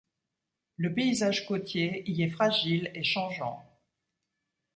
Le paysage côtier y est fragile et changeant.